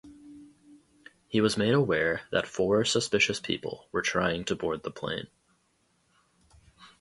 He was made aware that four suspicious people were trying to board the plane.